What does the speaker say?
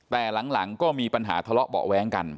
แต่หลังก็มีปัญหาทะเลาะเบาะแว้งกัน